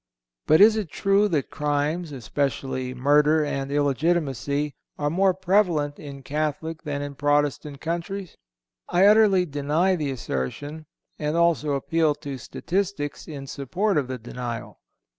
But is it true that crimes, especially murder and illegitimacy, are more prevalent in Catholic than in Protestant countries? I utterly deny the assertion, and also appeal to statistics in support of the denial.